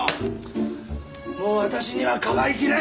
もう私にはかばいきれん。